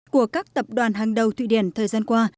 của các tập đoàn hàng đầu thụy điển thời gian qua